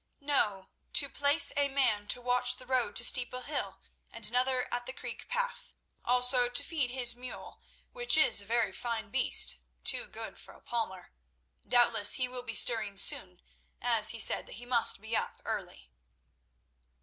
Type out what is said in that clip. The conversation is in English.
"No. To place a man to watch the road to Steeple Hill, and another at the Creek path; also to feed his mule, which is a very fine beast—too good for a palmer. Doubtless he will be stirring soon, as he said that he must be up early."